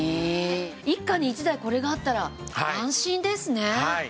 一家に一台これがあったら安心ですね。